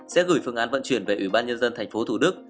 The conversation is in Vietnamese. sẽ gửi phương án vận chuyển về ủy ban nhân dân thành phố thủ đức